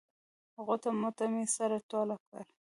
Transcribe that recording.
غوټه موټه مې سره ټوله کړه.